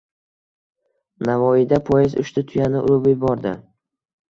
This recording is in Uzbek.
Navoiyda poyezd uchta tuyani urib yubordi